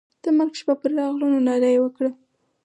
د مرګ شپه پر راغله نو ناره یې وکړه.